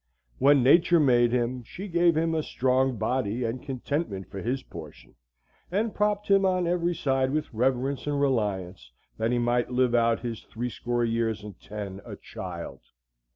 When Nature made him, she gave him a strong body and contentment for his portion, and propped him on every side with reverence and reliance, that he might live out his threescore years and ten a child.